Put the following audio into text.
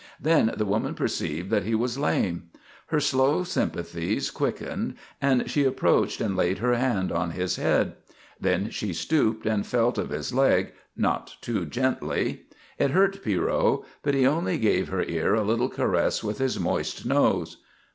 Then the woman perceived that he was lame. Her slow sympathies quickened and she approached and laid her hand on his head. Then she stooped and felt of his leg, not too gently. It hurt Pierrot, but he only gave her ear a little caress with his moist nose.